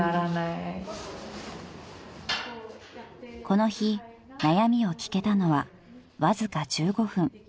［この日悩みを聞けたのはわずか１５分］